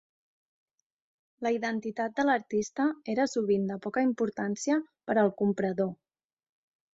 La identitat de l'artista era sovint de poca importància per al comprador.